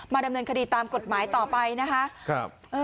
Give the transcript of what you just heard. ดำเนินคดีตามกฎหมายต่อไปนะคะ